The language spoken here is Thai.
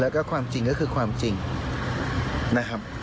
แล้วก็ความจริงก็คือความจริงนะครับ